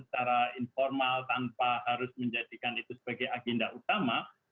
secara informal tanpa harus menjadikan itu sebagai agenda utama